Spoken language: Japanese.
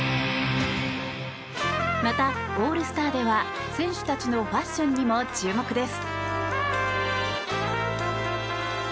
またオールスターでは選手たちのファッションにも注目です。